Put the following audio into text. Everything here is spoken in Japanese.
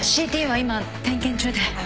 ＣＴは今点検中で。